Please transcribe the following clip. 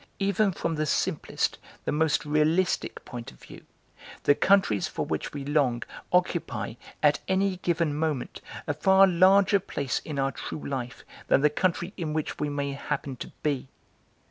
Even from the simplest, the most realistic point of view, the countries for which we long occupy, at any given moment, a far larger place in our true life than the country in which we may happen to be.